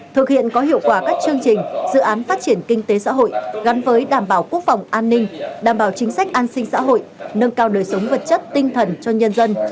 thực hiện có hiệu quả các chương trình dự án phát triển kinh tế xã hội gắn với đảm bảo quốc phòng an ninh đảm bảo chính sách an sinh xã hội nâng cao đời sống vật chất tinh thần cho nhân dân